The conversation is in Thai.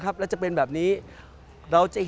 จะบอกจากก็เพราะเก่าใจ